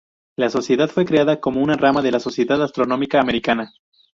La sociedad fue creada como una rama de la Sociedad Astronómica Americana.